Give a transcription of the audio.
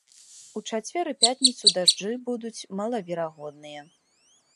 У чацвер і пятніцу дажджы будуць малаверагодныя.